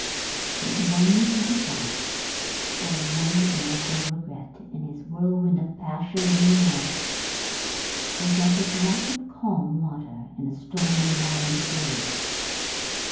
But one tender thought, or one of natural regret, in his whirlwind of passion and remorse, was as a drop of calm water in a stormy maddened sea.